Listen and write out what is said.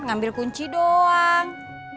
ngambil kunci doang